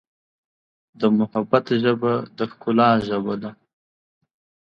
د محبت ژبه د ښکلا ژبه ده.